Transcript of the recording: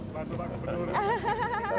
masih bantu pak kepenul